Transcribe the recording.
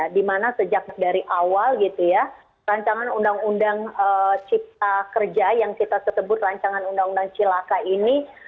dimana sejak dari awal rancangan undang undang ciptakerja yang kita sebut rancangan undang undang cilaka ini